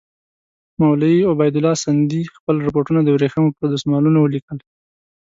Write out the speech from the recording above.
مولوي عبیدالله سندي خپل رپوټونه د ورېښمو پر دسمالونو ولیکل.